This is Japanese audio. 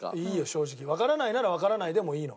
わからないならわからないでもいいの。